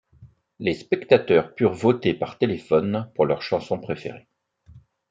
Les spectateurs purent voter par téléphone pour leurs chansons préférées.